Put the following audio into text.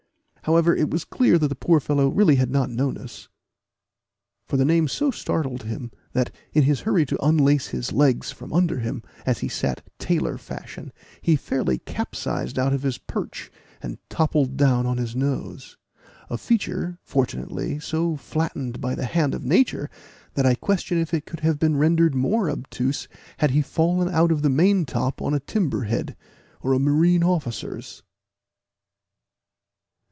However, it was clear that the poor fellow really had not known us; for the name so startled him, that, in his hurry to unlace his legs from under him, as he sat tailor fashion, he fairly capsized out of his perch, and toppled down on his nose a feature, fortunately, so flattened by the hand of nature, that I question if it could have been rendered more obtuse had he fallen out of the maintop on a timber head, or a marine officer's.